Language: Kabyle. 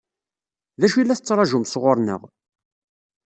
D acu i la tettṛaǧum sɣur-neɣ?